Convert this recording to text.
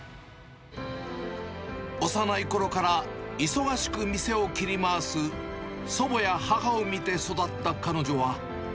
幼いころから忙しく店を切り回す祖母や母を見て育った彼女は。